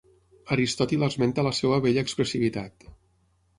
Aristòtil esmenta la seva bella expressivitat.